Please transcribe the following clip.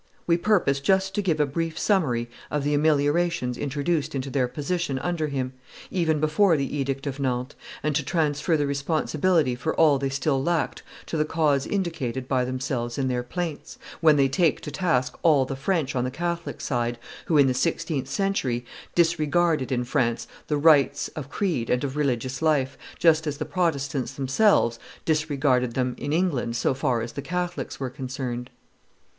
We purpose just to give a brief summary of the ameliorations introduced into their position under him, even before the edict of Nantes, and to transfer the responsibility for all they still lacked to the cause indicated by themselves in their plaints, when they take to task all the French on the Catholic side, who, in the sixteenth century, disregarded in France the rights of creed and of religious life, just as the Protestants themselves disregarded them in England so far as the Catholics were concerned.